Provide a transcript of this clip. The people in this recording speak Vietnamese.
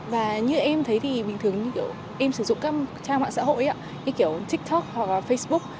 và như em thấy thì bình thường em sử dụng các trang mạng xã hội như kiểu tiktok hoặc là facebook